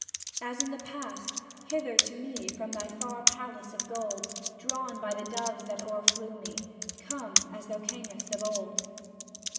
As in the past, hither to me From thy far palace of gold. Drawn by the doves that o'erflew me. Come, as thou camest of old.